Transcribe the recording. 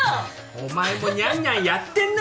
お前もニャンニャンやってんな